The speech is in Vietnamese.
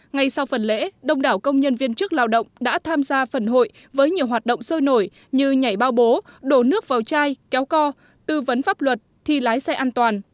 ngay sau phần lễ đông đảo công nhân viên chức lao động đã tham gia phần hội với nhiều hoạt động sôi nổi như nhảy bao bố đổ nước vào chai kéo co tư vấn pháp luật thi lái xe an toàn